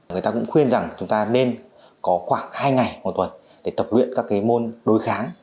người ta cũng khuyên rằng chúng ta nên có khoảng hai ngày một tuần để tập luyện các cái môn đối kháng